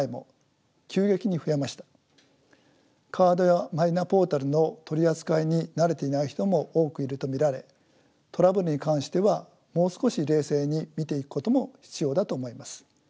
カードやマイナポータルの取り扱いに慣れていない人も多くいると見られトラブルに関してはもう少し冷静に見ていくことも必要だと思います。